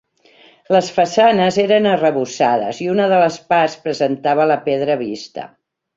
Les façanes eren arrebossades i una de les parts presentava la pedra vista.